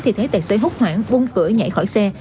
thì thấy tài xế hút hoảng vun khửa nhảy khỏi xe